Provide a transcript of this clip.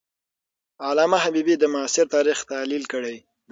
علامه حبیبي د معاصر تاریخ تحلیل کړی دی.